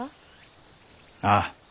ああ。